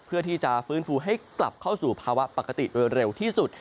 เพื่อที่จะฟื้นฟูให้กลับเข้าสู่ภาวะปกติโดยเร็วที่สุด